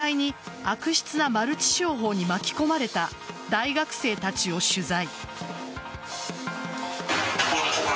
「Ｍｒ．サンデー」は実際に悪質なマルチ商法に巻き込まれた大学生たちを取材。